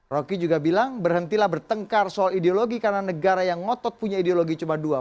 rocky juga bilang berhentilah bertengkar soal ideologi karena negara yang ngotot punya ideologi cuma dua